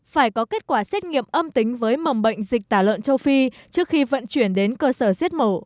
phải có kết quả xét nghiệm âm tính với mầm bệnh dịch tả lợn châu phi trước khi vận chuyển đến cơ sở giết mổ